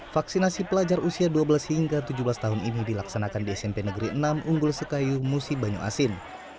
vaksinasi pelajar usia dua belas hingga tujuh belas tahun ini dilaksanakan di smp negeri enam unggul sekayu musi banyu asin